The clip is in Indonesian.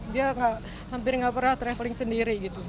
dia hampir nggak pernah traveling sendiri gitu